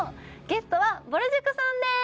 ゲストはぼる塾さんです！